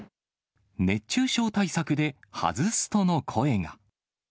熱中症対策で外すとの声が。